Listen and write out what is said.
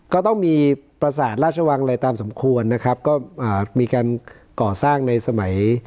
ก็ต้องมีประสาทราชวังอะไรตามสมควรนะครับก็อ่ามีการก่อสร้างในสมัย